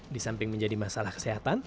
di samping menjadi masalah kesehatan